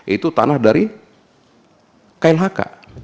itu tanah dari klhk